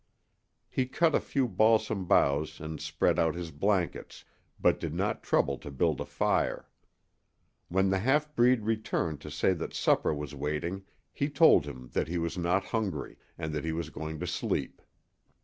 He cut a few balsam boughs and spread out his blankets, but did not trouble to build a fire. When the half breed returned to say that supper was waiting he told him that he was not hungry, and that he was going to sleep.